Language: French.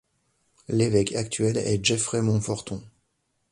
L'évêque actuel est Jeffrey Monforton.